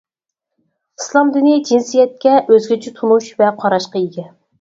ئىسلام دىنى جىنسىيەتكە ئۆزگىچە تونۇش ۋە قاراشقا ئىگە.